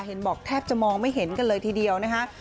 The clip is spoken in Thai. เห็นบอกแทบจะมองไม่เห็นกันเลยทีเดียวนะคะ